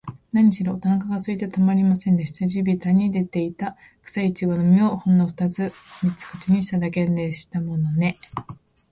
なにしろ、おなかがすいてたまりませんでした。地びたに出ていた、くさいちごの実を、ほんのふたつ三つ口にしただけでしたものね。